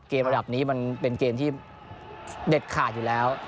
ระดับนี้มันเป็นเกมที่เด็ดขาดอยู่แล้ว